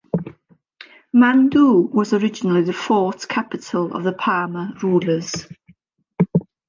Mandu was originally the fort capital of the Parmar rulers.